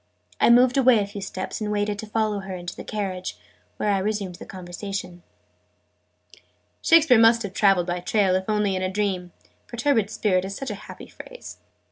I moved away a few steps, and waited to follow her into the carriage, where I resumed the conversation. "Shakespeare must have traveled by rail, if only in a dream: 'perturbed Spirit' is such a happy phrase."